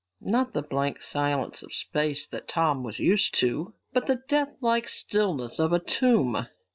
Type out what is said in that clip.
Not the blank silence of space that Tom was used to, but the deathlike stillness of a tomb.